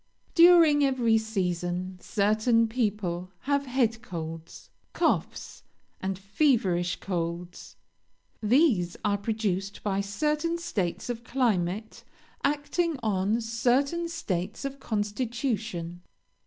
"During every season, certain people have 'head colds,' coughs, and 'feverish colds.' These are produced by certain states of climate acting on certain states of constitution.